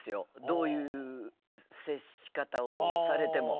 どういう接し方をされても。